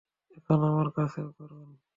এখন আমার কাছেও করুন।